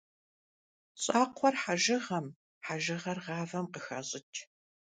ЩӀакхъуэр хьэжыгъэм, хьэжыгъэр гъавэм къыхащӀыкӀ.